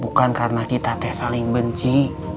bukan karena kita teh saling benci